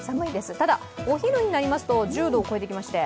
ただ、お昼になりますと１０度を超えてきまして。